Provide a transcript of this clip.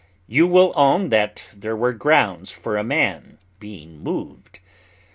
You will own that there were grounds for a man being moved.